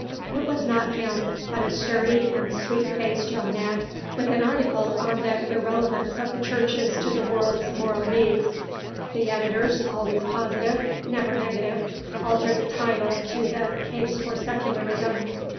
It was not him, but a sturdy and sweet faced young man with an article on the Irrelevance of the Churches to the World's Moral Needs. The editors, always positive, never negative, altered the title to the Case for Secularism.